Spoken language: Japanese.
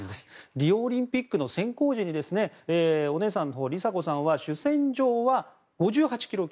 リオオリンピックの選考時にお姉さんの梨紗子さんは主戦場は５８ｋｇ級。